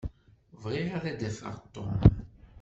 Bɣiɣ ad d-afeɣ Tom.